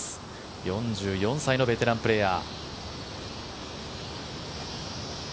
４４歳のベテランプレーヤー。